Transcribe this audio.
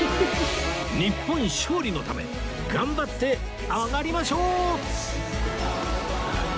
日本勝利のため頑張って上がりましょう！